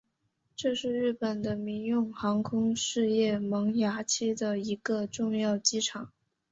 这是日本的民用航空事业萌芽期的一个重要机场。